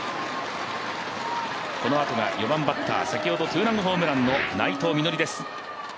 このあとが４番バッター先ほどツーランホームランの内藤実穂です。